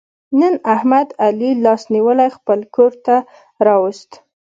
نن احمد علي لاس نیولی خپل کورته را وست.